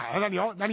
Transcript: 何？